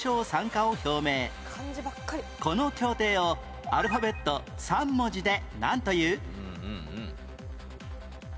この協定をアルファベット３文字でなんという？